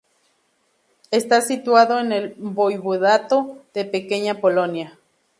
Está situado en el Voivodato de Pequeña Polonia.